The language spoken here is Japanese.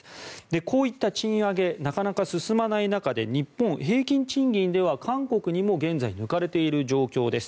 こういった賃上げなかなか進まない中で日本、平均賃金では韓国にも現在、抜かれている状況です。